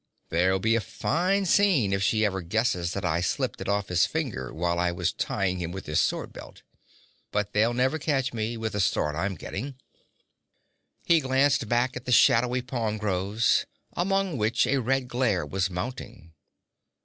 There'll be a fine scene if she ever guesses that I slipped it off his finger while I was tying him with his sword belt. But they'll never catch me, with the start I'm getting.' He glanced back at the shadowy palm groves, among which a red glare was mounting.